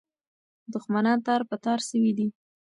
دښمنان تار په تار سوي دي.